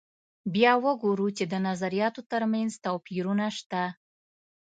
بیا وګورو چې د نظریاتو تر منځ توپیرونه شته.